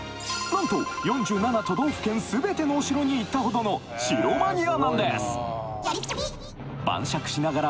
なんと４７都道府県全てのお城に行ったほどの城マニアなんです！